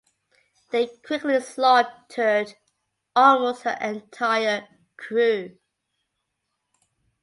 They quickly slaughtered almost her entire crew.